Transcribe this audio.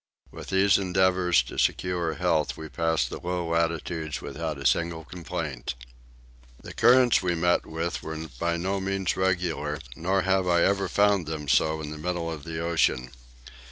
With these endeavours to secure health we passed the low latitudes without a single complaint. The currents we met with were by no means regular, nor have I ever found them so in the middle of the ocean.